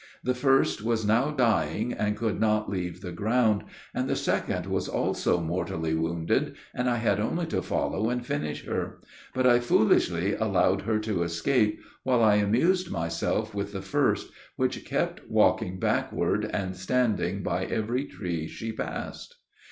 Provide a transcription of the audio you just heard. The first was now dying, and could not leave the ground, and the second was also mortally wounded, and I had only to follow and finish her; but I foolishly allowed her to escape, while I amused myself with the first, which kept walking backward, and standing by every tree she passed.